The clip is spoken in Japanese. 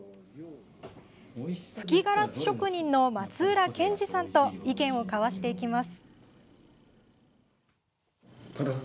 吹きガラス職人の松浦健司さんと意見を交わします。